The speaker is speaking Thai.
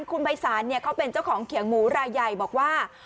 คุณภัยศาลเขาเป็นเจ้าของเขียงหมูรายใหญ่บอกว่า